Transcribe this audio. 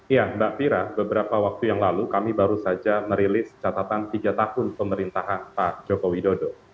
ya mbak fira beberapa waktu yang lalu kami baru saja merilis catatan tiga tahun pemerintahan pak joko widodo